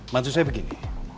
maksud saya begini